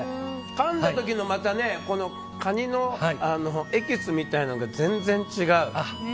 かんだ時のカニのエキスみたいなのが全然違う。